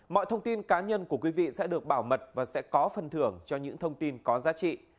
mọi thông tin cá nhân của quý vị sẽ được bảo mật và sẽ có phần thưởng cho những thông tin có giá trị